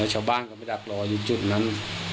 ชาวบ้านก็มาดักรออยู่จุดนั้น